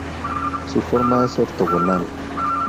Su forma es ortogonal.